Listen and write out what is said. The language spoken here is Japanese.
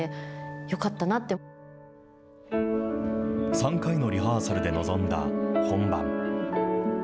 ３回のリハーサルで臨んだ本番。